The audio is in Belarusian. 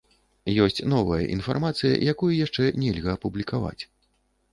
Ёсць новая інфармацыя, якую яшчэ нельга апублікаваць.